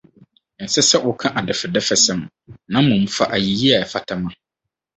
Ɛnsɛ sɛ woka adɛfɛdɛfɛsɛm, na mmom fa ayeyi a ɛfata ma.